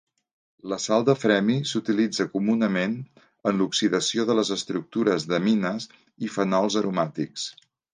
La sal de Fremy s'utilitza comunament en l'oxidació de les estructures d'amines i fenols aromàtics.